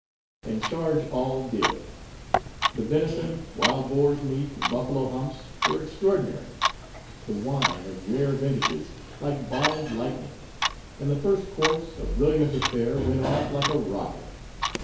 And charge all did. The venison, wild boar's meat, and buffalo humps, were extraordinary; the wine, of rare vintages, like bottled lightning; and the first course, a brilliant affair, went off like a rocket.